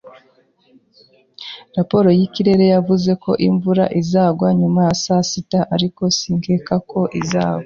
Raporo y’ikirere yavuze ko imvura izagwa nyuma ya saa sita, ariko sinkeka ko izagwa.